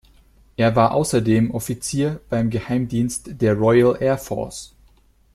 Er war außerdem Offizier beim Geheimdienst der Royal Air Force.